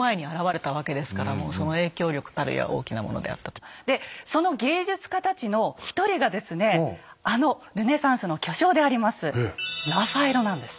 ところがまさにでその芸術家たちの一人がですねあのルネサンスの巨匠でありますラファエロなんです。